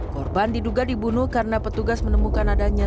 korban diduga dibunuh karena petugas menemukan adanya